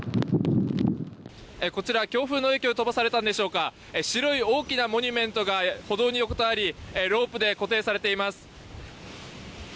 こちら、強風の影響で飛ばされたんでしょうか白い大きなモニュメントが歩道に横たわりロープで固定されています。